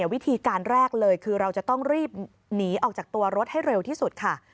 วิธีการแรกเลยคือเราจะต้องรีบหนีออกจากตัวรถให้เร็วที่สุดค่ะ